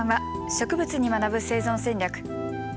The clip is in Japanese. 「植物に学ぶ生存戦略」